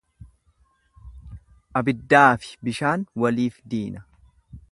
Abiddaafi bishaan waliif diina.